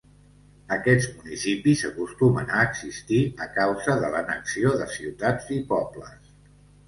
Aquests municipis acostumen a existir a causa de l'annexió de ciutats i pobles.